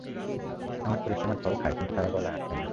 আমার পরিশ্রমের ফল খায় কিন্তু তারা গলায় আটকে না।